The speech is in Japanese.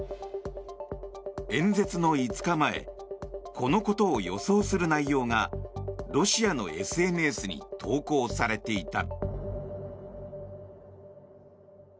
演説の５日前このことを予想する内容がロシアのＳＮＳに投稿されていた。